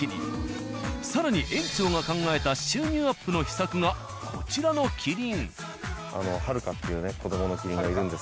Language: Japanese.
更に園長が考えた収入アップの秘策がこちらのキリン。